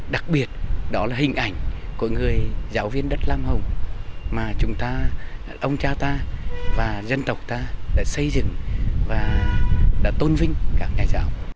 đặc biệt đó là hình ảnh của người giáo viên đất lam hồng mà chúng ta ông cha ta và dân tộc ta đã xây dựng và đã tôn vinh các nhà giáo